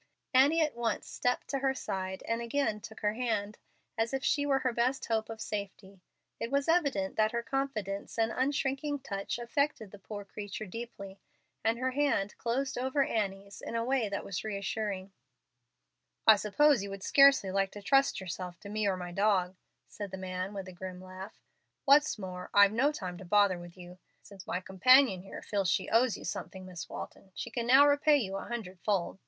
Annie at once stepped to her side and again took her hand, as if she were her best hope of safety. It was evident that her confidence and unshrinking touch affected the poor creature deeply, and her hand closed over Annie's in a way that was reassuring. "I suppose you would scarcely like to trust yourselves to me or my dog," said the man, with a grim laugh. "What's more, I've no time to bother with you. Since my companion here feels she owes you something, Miss Walton, she can now repay you a hundred fold.